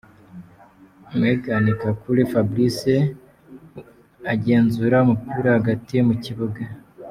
Mugheni Kakule Fabrice agenzura umupira hagati mu kibuga.